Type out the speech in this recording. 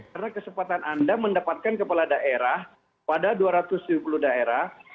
karena kesempatan anda mendapatkan kepala daerah pada dua ratus lima puluh daerah